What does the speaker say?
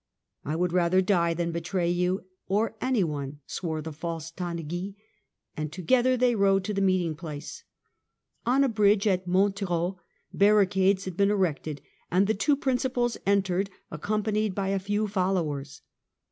"I would rather die than betray you or any one," swore the false Tanneguy ; and together they rode to the meeting place. On a bridge at Montereau barricades had been erected, and the two principals entered accompanied by a few followers.